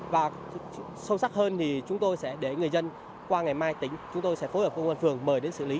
và sâu sắc hơn thì chúng tôi sẽ để người dân qua ngày mai tính chúng tôi sẽ phối hợp công an phường mời đến xử lý